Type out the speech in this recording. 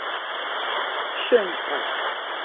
順耳